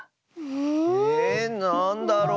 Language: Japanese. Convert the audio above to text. えなんだろう？